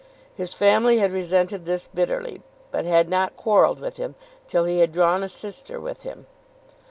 His family had resented this bitterly, but had not quarrelled with him till he had drawn a sister with him.